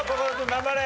頑張れ！